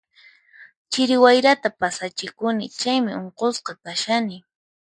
Chiri wayrata pasachikuni, chaymi unqusqa kashani.